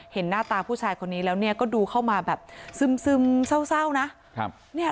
เห็นหน้าตาผู้ชายคนนี้แล้วเนี่ยก็ดูเข้ามาแบบซึมเศร้านะครับ